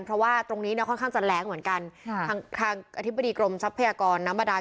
เพราะว่าตรงนี้เนี่ยค่อนข้างจะแรงเหมือนกันค่ะทางทางอธิบดีกรมทรัพยากรน้ำบาดาน